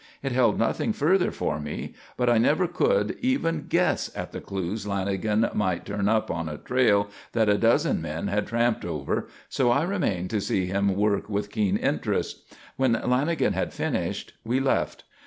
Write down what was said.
It held nothing further for me; but I never could even guess at the clues Lanagan might turn up on a trail that a dozen men had tramped over, so I remained to see him work with keen interest. When Lanagan had finished we left.